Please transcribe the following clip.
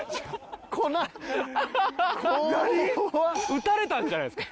撃たれたんじゃないですか？